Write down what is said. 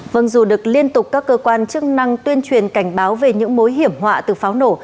vâng dù được liên tục các cơ quan chức năng tuyên truyền cảnh báo về những mối hiểm họa từ pháo nổ